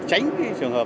tránh cái trường hợp